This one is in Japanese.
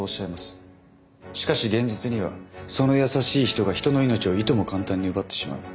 しかし現実にはその優しい人が人の命をいとも簡単に奪ってしまう。